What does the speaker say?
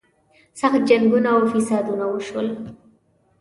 سخت جنګونه او فسادونه وشول.